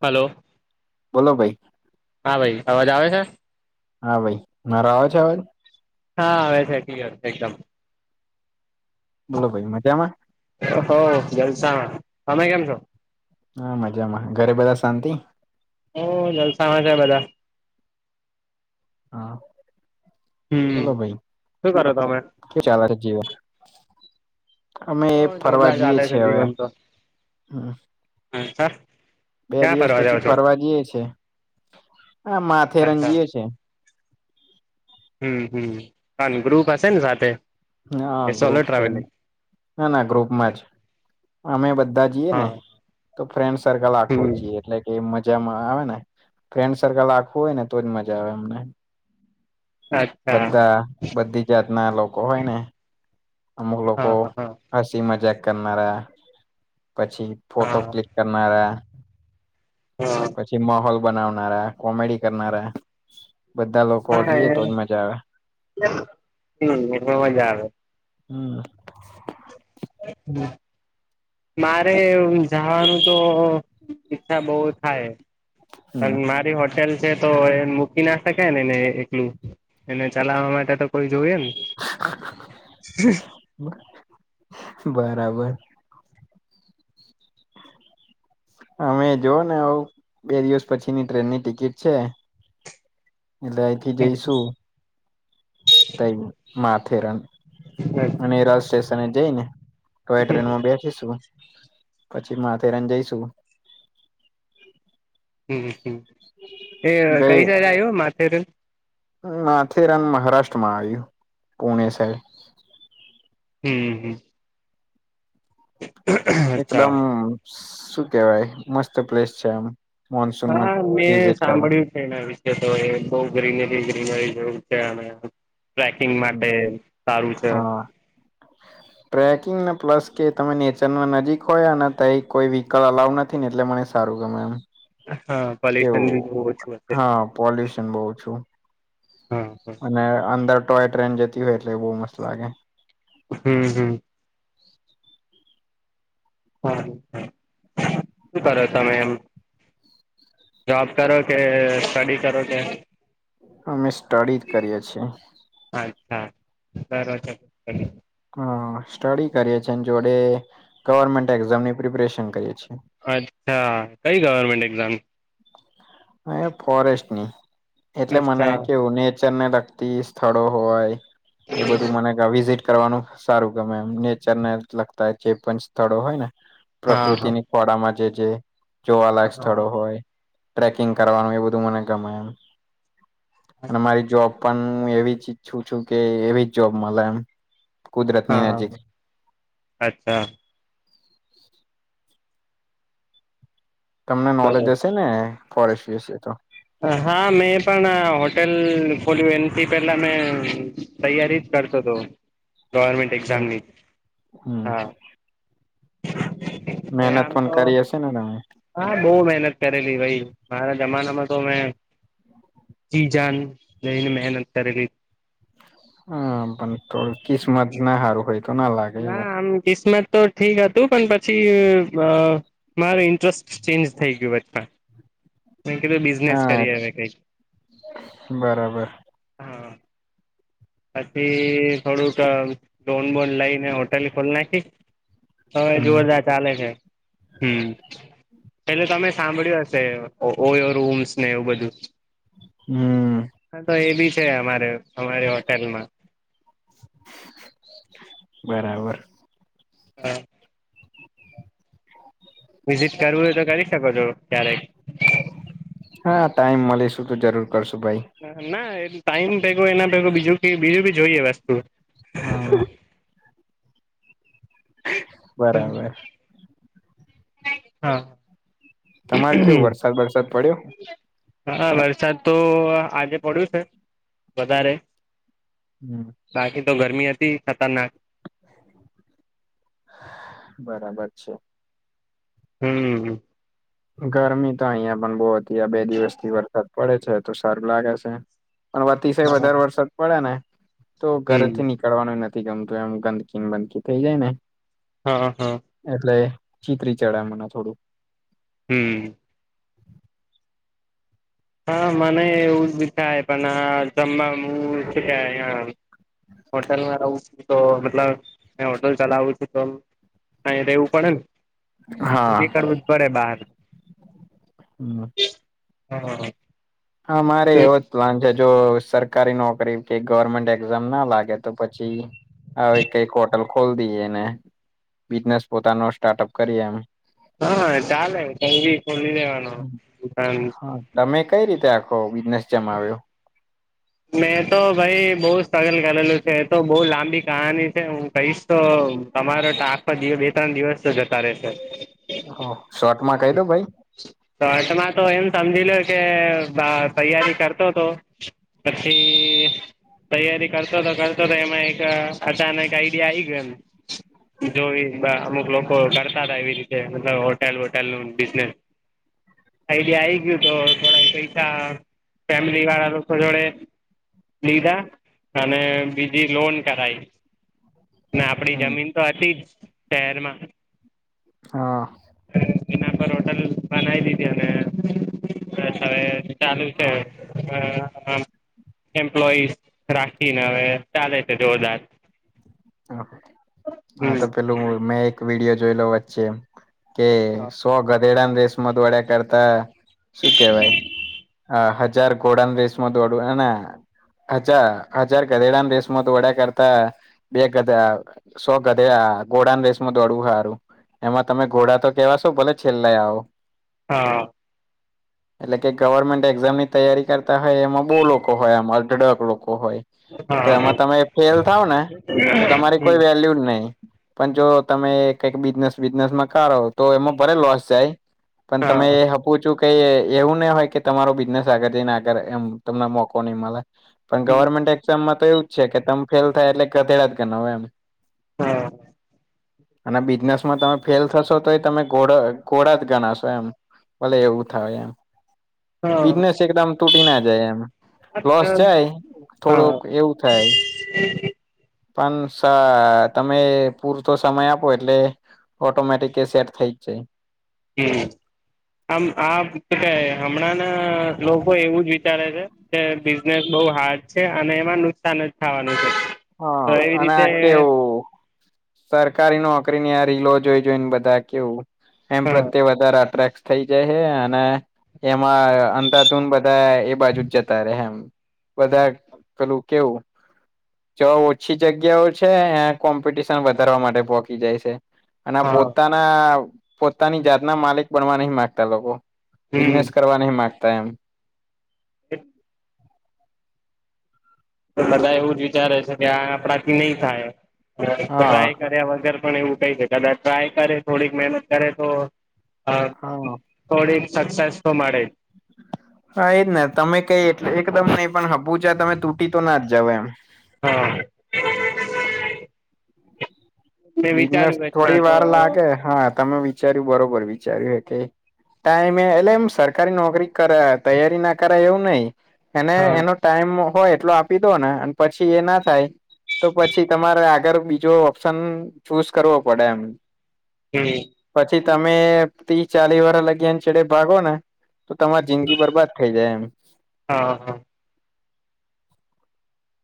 Hello બોલો ભાઈ હા ભાઈ અવાજ આવે છે? હા ભાઈ, મારો આવે છે અવાજ? હા આવે છે કલીયર એકદમ. બોલો ભાઈ મજામાં? હોવ જલસામાં, તમે કેમ છો? હા મજામાં, ઘરે બધા શાંતિ? હોવ જલસામાં છે બધાં. હા, હમ બોલો ભાઈ, શું કરો તમે? શું ચાલે. અમે ઓ એ ફરવા જોરદાર જઈએ ચાલે છે છીએ હવે જીવન તો હમ. હા સરાર [unintelligible] બે દિવસ પછી ફરવા જઈે છે, આ માથેરન અચ્છા જઈએ છે. હમ હમ પણ ગ્રુપ હશે ને સાથે? ના કે હ સોલો ગ્રુપ છે, ટ્રાવેલિંગ? ના ના ગ્રુપમાં જ. અમે બધા જઈએ હા ને, તો ફ્રેન્ડ સર્કલ આખવું હમ જીએ. એટલે કે મજામાં આવે ને ફ્રેન્ડ સર્કલ આખવું હોય ને તોજ મજા આવે અમને. અચ્છા બધા બધી જાત ના લોકો હોય ને. અમુક લોકો હા હા હસી મજાક કરનારા પછી ફોટો હા ક્લિક કરનારા હા. પછી માહોલ બનાવનારા, કોમેડી કરનારા, બધા લોકો જઈએ તો હાર, જ મજા આવે હમ્મ એનો અવાજ આવે હમ્મ. હમ્મ. મારે એવું જવાનું તો ઈચ્છા બો થાય પણ હમ મારી હોટ હોટલ છે તો એ મૂકી ના શકાય ને એને એકલું એને ચલાવવા માટે તો કોઈ જોયએ ને બરાબર. અમે જોુઓ ને આવ બે દિવસ પછીની ટ્રેનની ટિકિટ છે. એટલે અહીંથી જઈશું. તઈ માથેરાન અને [unintelligible] સ્ટેશનએ જઈને તોય ટ્રેનમાં હમ બેઠ [unintelligible] પછી માથેરાન જઈશું હમ્મ, એ ગઈ કઈ સાઈડ આવ્યું માથેરાન? માથેરાન મહારાષ્ટ્રમાં આવ્યું, પુણે સાઇડ હમ્મ, હમ્મ. અચ્છા એકદમ શું કેવાય મસ્ત પ્લેસ છે એમ હા, મેં સાંભળ્યું છે એના વિશે તો એ બઉ ગ્રીનરી ગ્રીનરી જેવું છે અને ટ્રેકિંગ માટે સારું છે. હા ટ્રેકિંગને પ્લસ કે તમે નેચરમાં નજીક હોયા અને ત કોઈ વ્હીકલ અલાવ નથી. નથી ને એટલે મને સારું ગમે એમ. હા પોલ્યુશન બી કેવું બહુ ઓછું હશે હા પોલ્યુશન બઉ ઓછું. હા અને અંદર ટોય ટ્રેન જતી હોય એટલે એ બહુ મસ્ત લાગે. હમ હમ હમ્મ શું કરે તમે એમ. જોબ કરો કે સ્ટડી કરો કે. અમે સ્ટડીજ કરીએ છીએ. અચ્છા બ હ સ્ટડી કરીએ છીએ જોડે ગવર્મેન્ટ એક્ઝામની પ્રિપરેશન કરીએ છીએ અચ્છા કઈ ગવરમેન્ટ એક્ઝામ હ ફોરેસ્ટની એટલે મને અચ્છા કેવું નેચરને લ સ્થળો હોય એ બધું મને વિઝટ કરવાનું સારું ગમે એમ નેચર ને લગતા જે પણ સ્થળો હોય ને હા હા પ્રકૃતિની વડામાં જે જે જોવાલાયક સ્થળો હા હોય ટકિંગ કરવાનું એ બધું મને ગમાય અને મારી જોબ પણ હું એવી જ ઈચ્છું છું કે એવી જ જોબ મળ એમ કુદરતની હા નજીક હા અચ્છા તમને નોલેજ બરોબર હશે ને ફોરેસીશે તો હા મેં પણ હોટેલ ખોલ્યું એનાથી પેલા મેં તૈયારી જ કરતો હતો ગવર્મેન્ટ એક્ઝામ ની હમ હા મે મહેનત આમ પણ તો કરી હશે ને તમે હા બહુ મહેનત કરેલી ભાઈ મારા જમાનામાં તો મેં ચી જાન નને મહેનત કરેલી હમ પણો કિસ્મત ના હારું હોય તો લાગે ના એવું આમ કિસ્મત તો ઠીક હતું પણ પછી મારું ઇન્ટરેસ્ટ ચેન્જ થઈ ગયું બધા કીધું બિઝનેસ કરી હા હ કઈક બરાબર હા પછી થોડુંક ડોન બોન લઈ ને હોટેલ ખોલ નાખી હવે હમ જોરદાર ચાલે છે હમ પેલે તમે સાંભળ્યું હશે ઓરમ્સ ને એવું બધું હમ હા તો એ બી છે અમારે અમારી હોટેલમાં બરાબર હા હ વિઝિટ કરવું હોય તો કરી શકો છો ક્યારેક હા ટાઈમ મળી શું તો જરૂર કરશું ભાઈ ના એ ટાઈમ પેગ એના પેગ બીજું બીજું બી જોઈએ વસ્તુ હા બરાબર હા તમારે કેવું વરસાદ વરસાદ પડ્યો હા વરસાદ તો આજે પડ્યું છે વધારે હમ બાકી તો ગરમી હતી ખતરનાક બરાબર છે હમ ગરમી તો અહિયાં પણ બહ હતી બે દિવસ થી વરસાદ પડે છે તો સારું લાગે છે પણ અતિશય હા વધારે વરસાદ પડે ને તો ઘરે હમ થી નીકળ કરવાનું નથી ગમતું એમ ગંદકી ને બંદકી થઈ જાય ને હા હા એટલે ચીતરી ચડાય મને થોડું. હમ. હા મને એવું બી થાય પણ હ જમવા છે કે હોટેલમાં રહું છું તો મતલબ હોટલ ચલાવું છું તો ક રહેેવું પડે હા નીકળવું જ પડે બહાર હમ હા હા. હા મારે એવો. પ્લાન છે જો સરકારી નોકરી કે ગવર્મેન્ટ એક્ઝામ ના લાગે તો પછી. હ કઈક હોટલ ખોલ દઈએ ને બિઝનેસ પોતાનો સ્ટાર્ટઅપ કરીએ એ હા ચાલે તી ખોલી દેવાનું. હા તમે કઈ રીતે આખો બિઝનેસ જમાવ્યો. મેં તો ભાઈ બહુ સ્ટ્રગલ કરેલું છે એ તો બહુ લાંબી કહાની છે હું કહીશ. તો તમારો તો આખોમાં દિવસ બે ત્રણ દિવસ તો જતા રહેશે. ઓ શોર્ટમાં ક ઈ દો ભાઈ તો અટમાં તો એમ સમજી લો કે અ તૈયારી કરતો હતો. પછી. તૈયારી કરતો તો કરતો તો એમાં એક અચાનક એક આઈડિયા આઈ ગયો એમ જોવી અમુક લોકો કરતા હતા એવી રીતે મતલબ હોટેલ વોટેલ નું બિઝનેસ આઈડિયા આ ગયું તો થોડા પૈસા ફેમિલી વાળા લોકો જોડે લીધા. અને બીજી લોન કરાઈ ને આપડી હમ જમીન તો હતી જ શહેરમાં હા. એના પર હોટલ બનાવી દીધી અને બસ હવે ચાલુ છે અ એમ્પ્લોઈસ રાખીને હવે ચાલે છે જોરદાર હા હમ તો પેલું મેં એક વિડીયો જોઈ લો વચ્ચે એમ કે હા સો ગધેડાને રેેશમા દોડ્યા કરતા. શું કેવાય હજાર ઘોડાન રેેશમાં દોડું અને હજ હજાર ગધેડા રેશમાં તો દોડ્યા કરતા. બે ગધા સો ગધે ગોડાન રેસમાં દોડવું સારું. એમાં તમે ઘોડા તો કેવા છો ભલે છેલ્લા આવો. હા. એટલે કે ગવર્મેન્ટ એક્ઝામ ની તૈયારી. કરતા હોય એમાં બહુ લોકો હોય એમાં અઢડક લોકો હોય હા તો હા એમાં તમે ફેલ થાવ ને. તો તમારી હમ કોઈ વેલ્યુ જ નહી. પણ જો તમે કઈક બિઝનેસ વિઝનેસમાં કરો તો એમાં ભરેલો હસે. પણ તમે હા પૂછું કે એવું ને હોય કે તમારો બિઝનેસ આગળ જઈને આગળ એમ તમને મોકો નહી મળે પણ હમ ગવર્મેન્ટ એક્ઝામમાં તો એવું જ છે કે તમે ફેલ થાય એટલે ગધેડા જ ગના હોય એમ હા. અને બિઝનેસ માં તમે ફેલ થશો તો એ તમે ઘોડા ઘોડા જ ગણાશો એમ. ભલે એવું થાય એમ હા બિઝનેસ એકદમ તૂટી ના જાય એમ લોસ હા જાય આમ આ થોડોક એવું થાય. હમ [unintelligible] પણ તમે પૂરતો સમય આપો એટલે. ઓટોમેટિક એ સેટ થઈ જાય. હમ્મ આમ આ તો ક હમણાંના લોકો એવું જ વિચારે છે. કે બિઝનેસ બહુ હાર્ડ છે અને એમાં નુકસાન જ થાવાનું છે. તો હા એવી અને રીતે આ કેવું. સરકારી નોકરીની આ રીલો જોઈ જોઈને બધા કેવું એમ હા પ્રત્યે વધારે અટ્રેક્શ થઇ જાય હ અને એમાં અંધતુન બધા એ બાજુ જ જતા રહે એમ બધા કલું કેવું. જો ઓછી જગ્યાઓ છે એં કોમ્પિટિશન વધારવા માટે પોહોકીજાય છે. અને હા પોતાના પોતાની જાત ના માલિક બનવા નહી માંગતા લોકો. હમ બિઝનેસ કરવા નહી માંગતા એમ [unintelligible] બધા એવું જ વિચારે છે કે આ આપણાથી નહી થાય હા ટ્રાય કર્યા વગર પણ એવું કઈ શકે કદાચ ટ્રાય કરે થોડીક મહેનત કરે તો અ હા થોડીક સક્સેસ તો મળે. હા એજ ને તમે કઈ એટલે એકદમ નહી પણ હપુચા તમે તૂટી તો ના જ જાવ એમ. હા. મેં બિઝનેસ વિચાર્યું થોડી વચમાં તો વાર લાગે હા તમે વિચાર્યું બરોબર વિચાર્યું કે ટાઈમે એટલે એમ સરકારી નોકરી કરે તૈયારી ના કરાય એવું નહી એને હા એનો ટાઈમ હોય એટલો આપી દો ને અને પછી એ ના થાય. તો પછી તમારે આગળ બીજો ઓપ્શન ચુઝ કરવો પડે એમ. હમ્મ. પછી તમે ત્રી ચાલીસ વરહ લગીન એને છેડે ભાગો ને. તો તમારી જિંદગી બરબાદ થઇ જાય એમ. હા હા.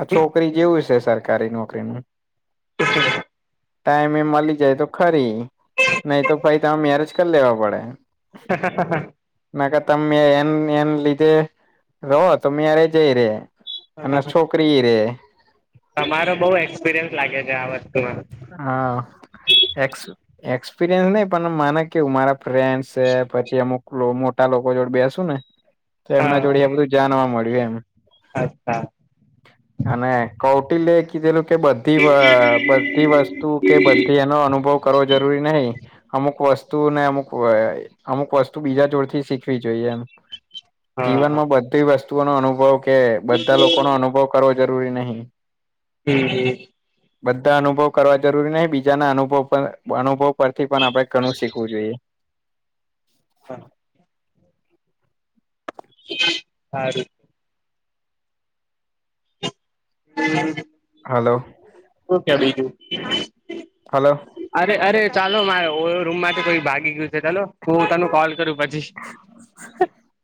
આ છોકરી જેવું છે સરકારી નોકરીનું. શ છે [unintelligible] ટાઈમે એ મળી જાય તો ખરી, નહી તો ભાઈ તરે મેરેજ કરી લેવા પડે. હ હ [unintelligible] ના કે તમે એ એને લીધે રહો, તમે યરે જઈ રે. અને છોકરી રે. તમારો બઉુ એક્સપિરિયન્સ લાગે છે આ વસ્તુમાં. હા, હેક્સ એક્સપિરિયન્સ નહ પણ માને કેવું મારા ફ્રેન્ડસ પછી અમુક મોટા લોકો જોડે બેસુ ને. તો એમના જોડે હા આ બધું જાણવા મળ્યું એમ. અચ્છા. અને કૌટિલ્ય કીધેલું કે બધી બધી વસ્તુ કે બધી એનો અનુભવ કરવો જરૂરી નહી. અમુક વસ્તુ ને અમુક અમુક વસ્તુ બીજા જોડથી શીખવી જોઈએ એમ. હા હા જીવનમાં બધી વસ્તુઓ નો અનુભવ કે બધા લોકો નો અનુભવ કરવો જરૂરી નહી. હમ હ. બધા અનુભવ કરવા જરૂરી નહી બીજાના અનુભવ અનુભવ ઉપરથી પણ આપડે ઘણું શીખવું જોઈએ. હા. સાર. હ [inaudible] હલો. શ ક્યા બઈજું. હલો. અરે અરે ચાલો મારે રૂમમાંથી કોઈ ભાગી ગયું છે ચાલ હું તનું કોલ કરું પછી. [inaudible]